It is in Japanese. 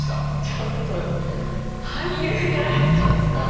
ちょっと俳優やられてたんですか？